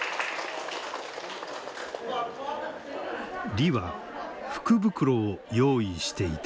李は福袋を用意していた。